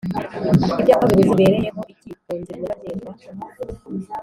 Ibyapa bibuza bibereyeho iki kunzira nyabagendwa